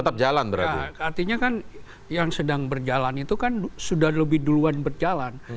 artinya kan yang sedang berjalan itu kan sudah lebih duluan berjalan